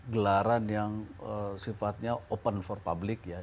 gelaran yang sifatnya open for public ya